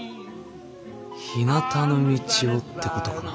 「ひなたの道を」ってことかな。